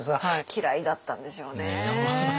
嫌いだったんでしょうね。